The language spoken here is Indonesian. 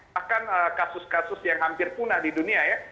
bahkan kasus kasus yang hampir punah di dunia ya